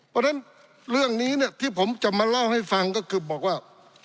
เพราะฉะนั้นเรื่องนี้เนี่ยที่ผมจะมาเล่าให้ฟังก็คือบอกว่า